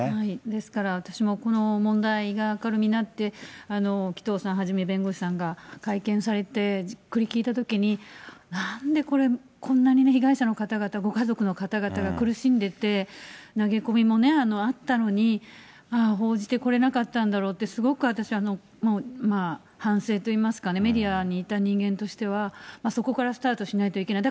ですから私もこの問題が明るみになって、紀藤さんはじめ、弁護士さんが会見されて、これ聞いたときに、なんでこれ、こんなに被害者の方々、ご家族の方々が苦しんでいて、投げ込みもあったのに、報じてこれなかったんだろうって、すごく私は反省といいますか、メディアにいた人間としては、そこからスタートしないといけない。